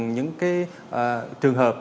những trường hợp